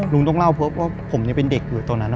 ลุงต้องเล่าเพราะว่าผมเป็นเด็กเกิดตอนนั้นนะ